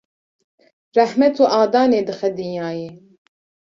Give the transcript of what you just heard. rehmet û adanê dixe dinyayê.